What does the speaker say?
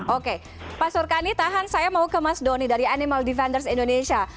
oke pak surkani tahan saya mau ke mas doni dari animal defenders indonesia